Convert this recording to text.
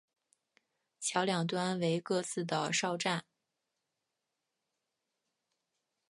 桥两端为各自的哨站。